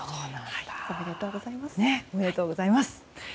おめでとうございます。